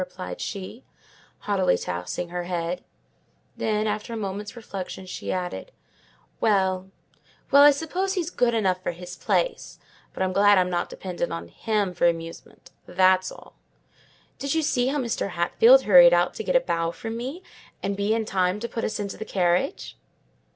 replied she, haughtily tossing her head; then, after a moment's reflection, she added—"Well, well! I suppose he's good enough for his place: but I'm glad I'm not dependent on him for amusement—that's all. Did you see how Mr. Hatfield hurried out to get a bow from me, and be in time to put us into the carriage?"